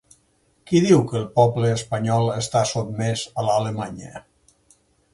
Qui diu que el poble espanyol està sotmès a l’Alemanya?